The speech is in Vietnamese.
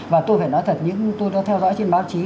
và tôi phải nói thật những tôi đã theo dõi trên báo chí